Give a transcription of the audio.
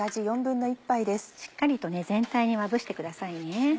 しっかりと全体にまぶしてくださいね。